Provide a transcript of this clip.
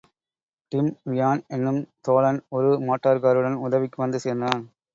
Dim Ryan என்னும் தோழன் ஒரு மோட்டார்காருடன் உதவிக்கு வந்து சேர்ந்தான்.